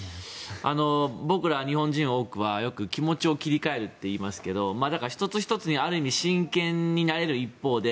僕ら日本人の多くはよく気持ちを切り替えるって言いますけど１つ１つにある意味、真剣になれる一方で